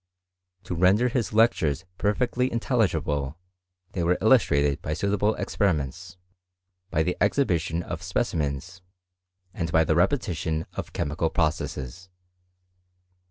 To render his lectures perfectly intelligible they were il lustrated by suitable experiments, by the exhibition of specimens, and by the repetition of chemical processes.